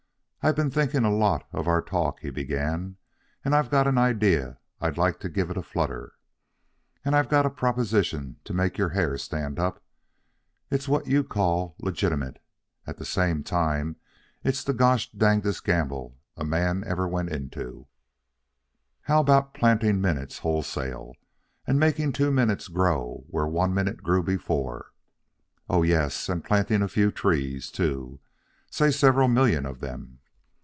"I've been thinking a lot of our talk," he began, "and I've got an idea I'd like to give it a flutter. And I've got a proposition to make your hair stand up. It's what you call legitimate, and at the same time it's the gosh dangdest gamble a man ever went into. How about planting minutes wholesale, and making two minutes grow where one minute grew before? Oh, yes, and planting a few trees, too say several million of them.